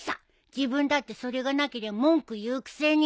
自分だってそれがなけりゃ文句言うくせに！